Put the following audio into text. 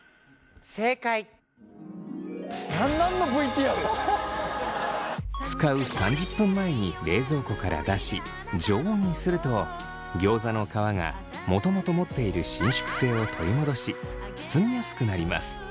何のＶＴＲ？使う３０分前に冷蔵庫から出し常温にするとギョーザの皮がもともと持っている伸縮性を取り戻し包みやすくなります。